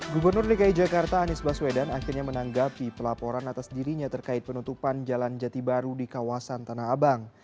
gubernur dki jakarta anies baswedan akhirnya menanggapi pelaporan atas dirinya terkait penutupan jalan jati baru di kawasan tanah abang